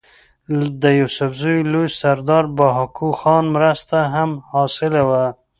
د يوسفزو لوئ سردار بهاکو خان مرسته هم حاصله وه